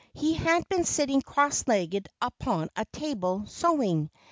He had been sitting cross legged upon a table, sewing.